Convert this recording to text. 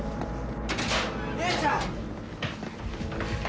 姉ちゃん！